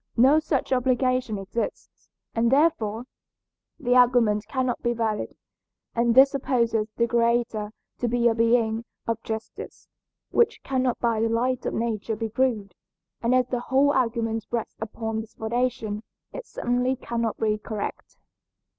No such obligation exists, and therefore the argument cannot be valid. And this supposes the Creator to be a being of justice, which cannot by the light of nature be proved, and as the whole argument rests upon this foundation it certainly cannot be correct.